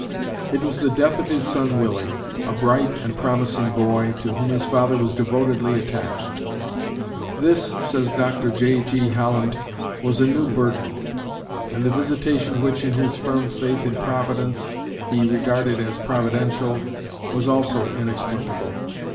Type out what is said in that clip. It was the death of his son Willie, a bright and promising boy, to whom his father was devotedly attached. "This," says Dr. J.G. Holland, "was a new burden; and the visitation which, in his firm faith in Providence, he regarded as providential, was also inexplicable.